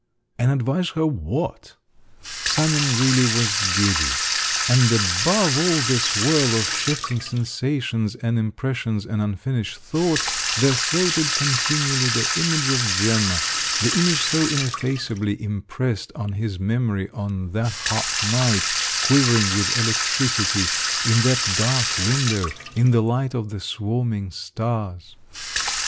And advise her what?" Sanin, really, was giddy, and above all this whirl of shifting sensations and impressions and unfinished thoughts, there floated continually the image of Gemma, the image so ineffaceably impressed on his memory on that hot night, quivering with electricity, in that dark window, in the light of the swarming stars!